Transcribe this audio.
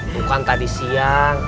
bukan tadi siang